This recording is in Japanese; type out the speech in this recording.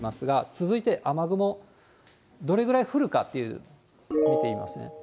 続いて雨雲、どれぐらい降るかっていう、見てみますね。